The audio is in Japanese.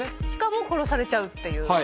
しかも殺されちゃうっていう。